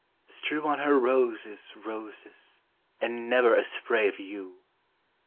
Strew on her roses, roses, And never a spray of yew !